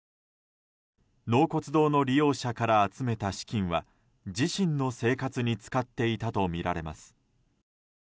納骨堂の利用者から集めた資金は自身の生活に使っていたとみられます。